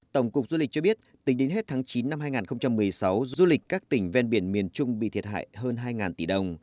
tổng cục du lịch cho biết tính đến hết tháng chín năm hai nghìn một mươi sáu du lịch các tỉnh ven biển miền trung bị thiệt hại hơn hai tỷ đồng